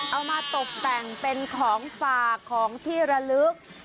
เอามาตกแต่งเป็นของฝากของที่ระลึก